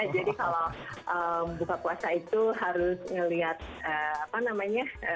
kalau buka puasa itu harus ngelihat apa namanya